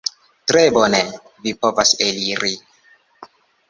Tre bone: vi povas eliri.